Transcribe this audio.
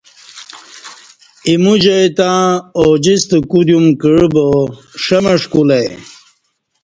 ایمو جائ تہ اوجستہ کُودیوم کعبا ݜمݜ کُولہ ائ۔